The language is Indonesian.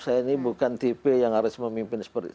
saya ini bukan tipe yang harus memimpin seperti itu